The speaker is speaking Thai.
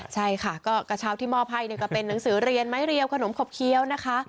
ใช่ค่ะก็กระเช้าที่มอบให้ก็เป็นหนังสือเรียนไม้เรียวขนมขบเคี้ยวนะคะ